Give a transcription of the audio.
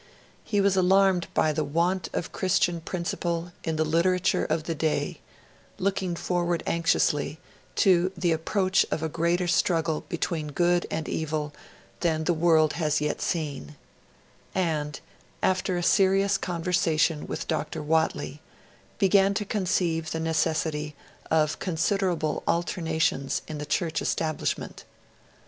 He was alarmed by the 'want of Christian principle in the literature of the day', looking forward anxiously to 'the approach of a greater struggle between good and evil than the world has yet seen'; and, after a serious conversation with Dr. Whately, began to conceive the necessity of considerable alterations in the Church Establishment.